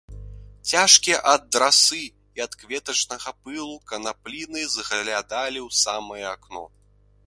Цяжкія ад расы і ад кветачнага пылу канапліны заглядалі ў самае акно.